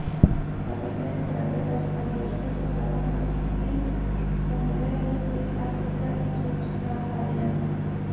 Habita en praderas abiertas, sabanas y humedales de África subsahariana.